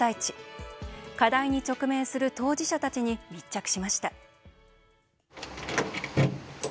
課題に直面する当事者たちに密着しました。